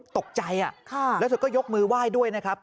ตกใจแล้วเธอก็ยกมือไหว้ด้วยนะครับ